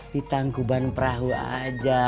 di tangkuban perahu aja